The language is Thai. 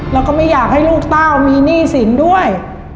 แล้วก็ไม่อยากให้ลูกเต้ามีหนี้สินด้วย